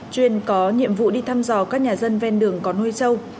chuyên có nhiệm vụ đi thăm dò các nhà dân ven đường có nuôi sâu